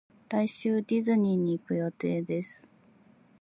来週ディズニーに行く予定です